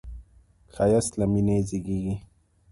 ښایست له مینې زېږي